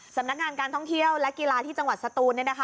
สำนักงานการท่องเที่ยวและกีฬาที่จังหวัดสตูน